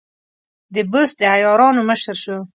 د بست د عیارانو مشر شو.